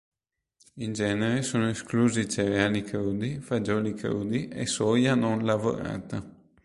In genere sono esclusi cereali crudi, fagioli crudi e soia non lavorata.